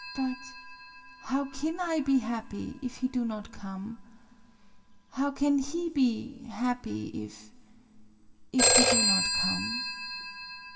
'''But how kin / be happy if he do not come ? How kin he be happy if he do not come